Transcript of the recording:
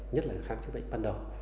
nhất là khám chữa bệnh ban đầu